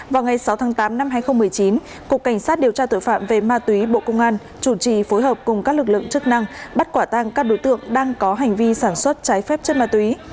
vào ngày sáu tháng tám năm hai nghìn một mươi chín cục cảnh sát điều tra tội phạm về ma túy bộ công an chủ trì phối hợp cùng các lực lượng chức năng bắt quả tang các đối tượng đang có hành vi sản xuất trái phép chất ma túy